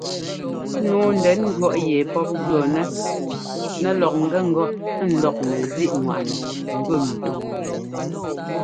Nǔu ndɛn ŋgʉ̈ɔ́ yɛ pɔ́p jʉɔ́nɛ nɛlɔk ŋ́gɛ ŋgɔ ńdɔk nɛzíꞌŋwaꞌnɛ gʉ mbi.